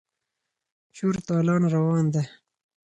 چور تالان روان دی.